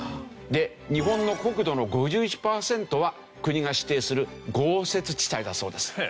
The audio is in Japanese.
で日本の国土の５１パーセントは国が指定する豪雪地帯だそうです。